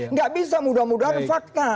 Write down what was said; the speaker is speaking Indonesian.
nggak bisa mudah mudahan fakta